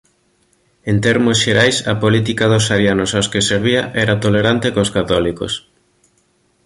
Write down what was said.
En termos xerais a política dos arianos aos que servía era tolerante cos católicos.